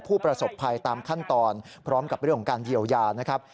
ผู้ประสบภัยตามขั้นตอนพร้อมกับเรื่องของการเยียวยานะครับ